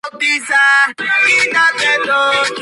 Está nombrado por Hathor, una diosa de los mitología egipcia.